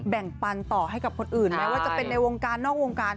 แบ่งปันต่อให้กับคนอื่นแม้ว่าจะเป็นในวงการนอกวงการ